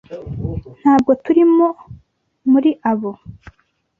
Ntabwo turimo muri abo.